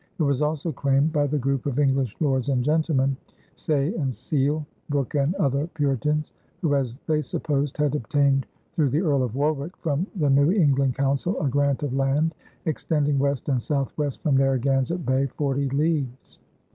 It was also claimed by the group of English lords and gentlemen, Saye and Sele, Brooke, and other Puritans, who, as they supposed, had obtained through the Earl of Warwick from the New England Council a grant of land extending west and southwest from Narragansett Bay forty leagues.